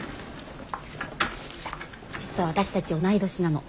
実は私たち同い年なの。